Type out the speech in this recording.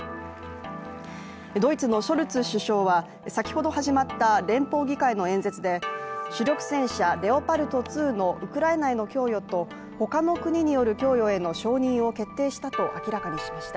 ドイツのショルツ首相は、先ほど始まった連邦議会の演説で主力戦車レオパルト２のウクライナへの供与と他の国による供与への承認を決定したと明らかにしました。